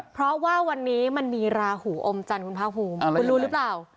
เพราะว่าวันนี้มันมีราหูอมจันทร์คุณภาคภูมิคุณรู้หรือเปล่า